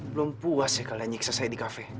belum puas sih kalian nyiksa saya di kafe